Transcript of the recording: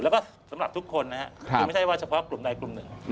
แล้วก็สำหรับทุกคนนะครับคือไม่ใช่ว่าเฉพาะกลุ่มใดกลุ่มหนึ่ง